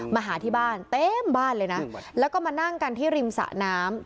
มาหาที่บ้านเต็มบ้านเลยนะแล้วก็มานั่งกันที่ริมสะน้ำ